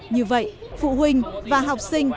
như vậy phụ huynh và học sinh